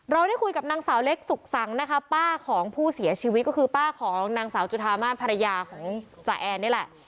ได้คุยกับนางสาวเล็กสุขสังนะคะป้าของผู้เสียชีวิตก็คือป้าของนางสาวจุธามาศภรรยาของจ่าแอนนี่แหละ